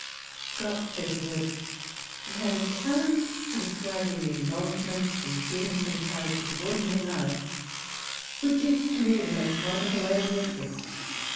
Scott says of her, She had a talent for describing the involvements, and feelings, and cha racters of ordinary life, which is to me the most wonderful I ever met with.